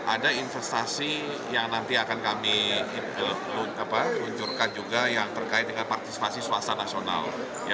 ada investasi yang nanti akan kami luncurkan juga yang terkait dengan partisipasi swasta nasional